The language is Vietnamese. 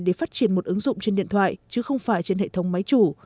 để phát triển một ứng dụng trên điện thoại chứ không phải trên hệ thống máy chủ